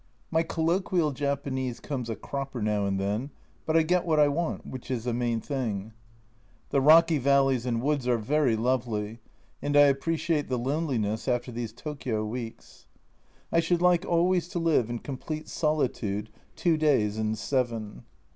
My colloquial Japanese comes a cropper now and then but I get what I want, which is the main thing. The rocky valleys and woods are very lovely, and I appre ciate the loneliness after these Tokio weeks. I should like always to live in complete solitude two days in seven.